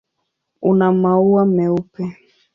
Una maua meupe.